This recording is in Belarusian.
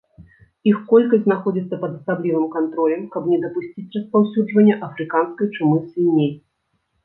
Іх колькасць знаходзіцца пад асаблівым кантролем, каб не дапусціць распаўсюджвання афрыканскай чумы свіней.